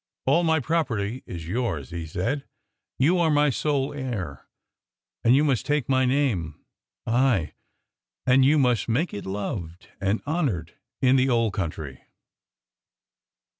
"All my property is yours," he said; "you are my sole heir, and you must take my name ay, and you must make it loved and honoured in the old country."